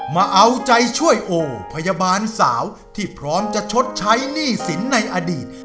มาเอาใจช่วยโอพยาบาลสาวที่พร้อมจะชดใช้หนี้สินในอดีต